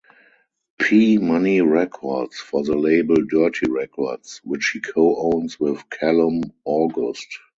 P-Money records for the label Dirty Records, which he co-owns with Callum August.